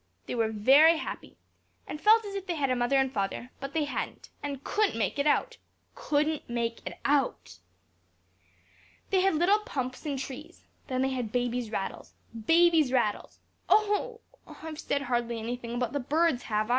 They were very happy, and felt as if they had a mother and father; but they hadn't, and couldn't make it out. Couldn't make it out! "They had little pumps and trees. Then they had babies' rattles. Babies' rattles. Oh! I've said hardly any thing about the birds, have I?